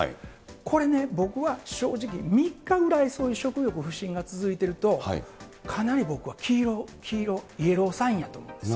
これね、僕は正直、３日ぐらいそういう食欲不振が続いているとかなり僕は黄色、イエローサインやと思うんです。